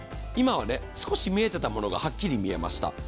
今は少し見えてたものがはっきり見えました。